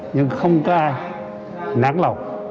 nhưng không có ai nán lòng